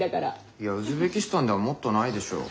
いやウズベキスタンではもっとないでしょう。